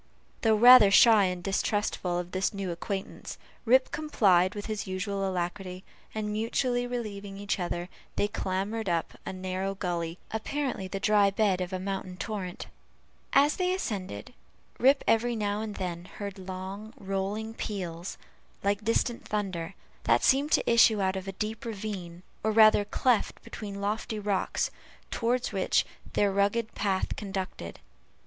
Though rather shy and distrustful of this new acquaintance, Rip complied with his usual alacrity; and mutually relieving each other, they clambered up a narrow gully, apparently the dry bed of a mountain torrent. As they ascended, Rip every now and then heard long rolling peals, like distant thunder, that seemed to issue out of a deep ravine, or rather cleft between lofty rocks, toward which their rugged path conducted.